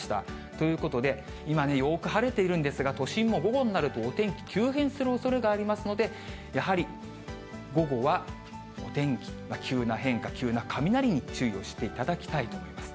ということで、今ね、よーく晴れているんですが、都心も午後になるとお天気急変するおそれがありますので、やはり午後はお天気、急な変化、急な雷に注意をしていただきたいと思います。